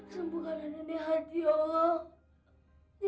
sembukalah nini hati allah